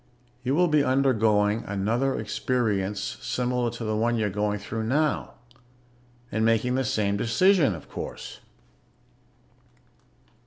You will be undergoing another experience similar to the one you're going through now. And making the same decision, of course.